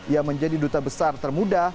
ia menjadi duta besar termuda